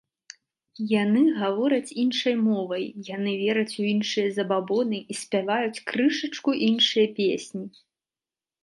Яны гавораць іншай мовай, яны вераць у іншыя забабоны і спяваюць крышачку іншыя песні.